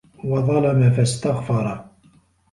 وَظَلَمَ فَاسْتَغْفَرَ